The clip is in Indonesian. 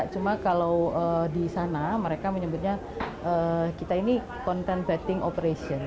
cuma kalau di sana mereka menyebutnya kita ini content betting operation